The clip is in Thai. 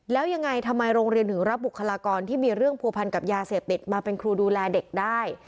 แล้วยังไงทำไมโรงเรียนถึงรับบุคลากรที่มีเรื่องผัวพันกับยาเสพติดมาเป็นครูดูแลเด็กได้